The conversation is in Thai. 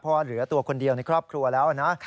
เพราะว่าเหลือตัวคนเดียวในครอบครัวแล้วนะ